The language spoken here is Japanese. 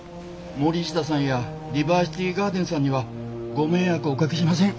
森下さんやディバーシティガーデンさんにはご迷惑おかけしません。